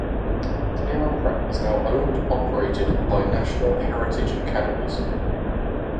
Taylor Prep is now owned operated by National Heritage Academies.